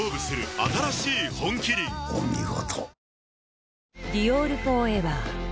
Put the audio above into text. お見事。